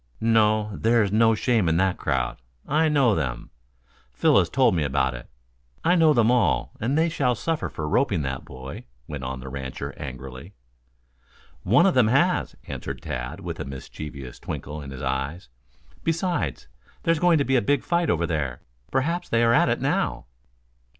"No. There's no shame in that crowd. I know them. Phil has told me about it. I know them all, and they shall suffer for roping that boy," went on the rancher angrily. "One of them has," answered Tad, with a mischievous twinkle in his eyes. "Besides, there's going to be a big fight over there. Perhaps they are at it now."